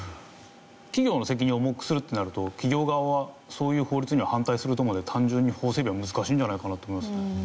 企業の責任を重くするってなると企業側はそういう法律には反対すると思うんで単純に法整備は難しいんじゃないかなって思いますね。